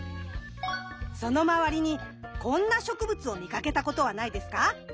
その周りにこんな植物を見かけたことはないですか？